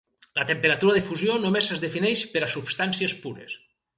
La temperatura de fusió només es defineix per a substàncies pures.